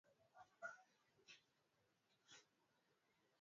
Usiogope!